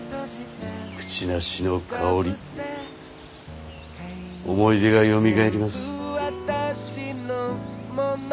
クチナシの香り思い出がよみがえります。